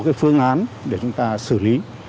tháng án để chúng ta xử lý